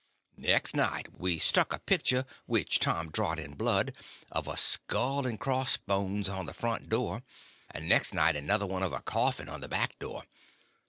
Next night we stuck a picture, which Tom drawed in blood, of a skull and crossbones on the front door; and next night another one of a coffin on the back door.